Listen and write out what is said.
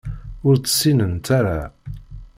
Ur tt-ssinent ara.